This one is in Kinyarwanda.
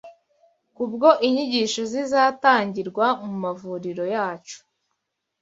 Kubwo inyigisho zizatangirwa mu mavuriro yacu,